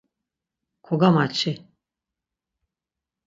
Kogamaçi.